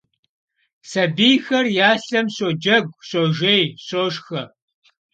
Sabiyxer yaslhem şocegu, şojjêy, şoşşxe.